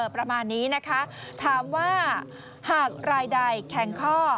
ประมาณนี้นะคะถามว่าหากรายใดแข็งข้อ